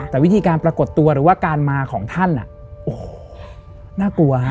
แต่วิธีการปรากฏตัวหรือว่าการมาของท่านโอ้โหน่ากลัวฮะ